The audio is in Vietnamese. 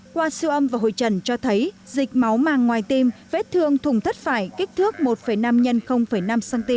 qua siêu âm và hội trần cho thấy dịch máu màng ngoài tim vết thương thùng thất phải kích thước một năm x năm cm